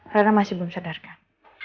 renan masih belum sadarkan